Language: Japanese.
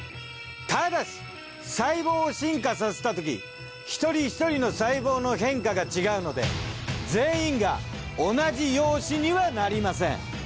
ただし細胞を進化させたとき一人一人の細胞の変化が違うので全員が同じ容姿にはなりません。